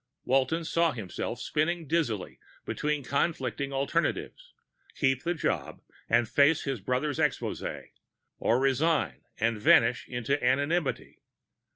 Walton saw himself spinning dizzily between conflicting alternatives. Keep the job and face his brother's exposé? Or resign, and vanish into anonymity.